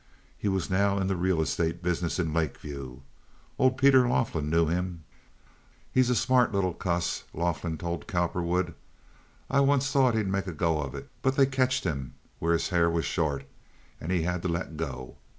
He was now in the real estate business in Lake View. Old Peter Laughlin knew him. "He's a smart little cuss," Laughlin told Cowperwood. "I thort onct he'd make a go of it, but they ketched him where his hair was short, and he had to let go.